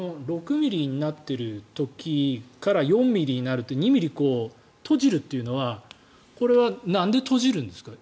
６ｍｍになってる時から４ｍｍになるという２ｍｍ閉じるというのはこれはなんで閉じるんですか？